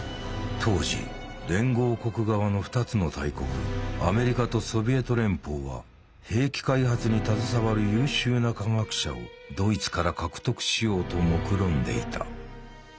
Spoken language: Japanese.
当時連合国側の２つの大国アメリカとソビエト連邦は兵器開発に携わる優秀な科学者をドイツから獲得しようともくろんでいた。